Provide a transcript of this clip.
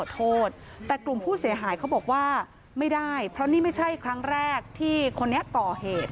โทษแต่กลุ่มผู้เสียหายเขาบอกว่าไม่ได้เพราะนี่ไม่ใช่ครั้งแรกที่คนนี้ก่อเหตุ